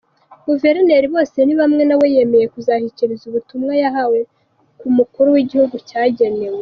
Guverineri Bosenibamwe nawe yemeye kuzashyikiriza ubutuwma yahawe ku Mukuru w’Igihugu cyagenewe.